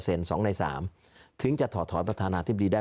เอ้ย๖๖๒ใน๓ถึงจะถอดถอยประธานาธิบดีได้